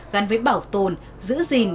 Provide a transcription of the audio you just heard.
gắn với bảo tồn giữ gìn